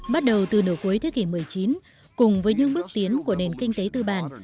bắt đầu từ nửa cuối thế kỷ một mươi chín cùng với những bước tiến của nền kinh tế tư bản